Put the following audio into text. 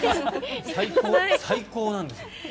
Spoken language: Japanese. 最高なんですよ。